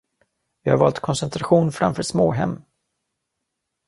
Vi har valt koncentration framför småhem.